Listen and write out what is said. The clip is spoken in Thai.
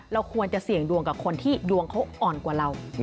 เราควรจะเสี่ยงดวงกับคนที่ดวงเขาอ่อนกว่าเรา